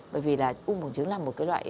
bởi vì là u bùng trứng là một cái loại